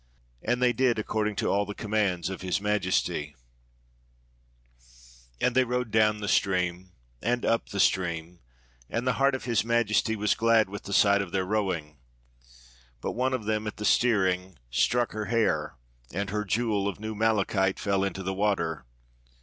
And they did according to all the commands of His Majesty. 38 THE LOST MALACHITE "And they rowed down the stream and up the stream, and the heart of His Majesty was glad with the sight of their rowing. But one of them at the steering struck her hair, and her jewel of new malachite fell into the water.